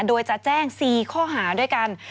โดยจะแจ้ง๔ข้อหาด้วยกัน